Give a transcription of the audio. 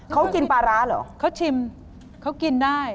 เขากินปลาร้าเหรอเขาชิมเขากินได้